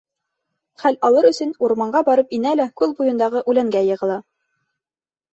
Хәл алыр өсөн урманға барып инә лә күл буйындағы үләнгә йығыла.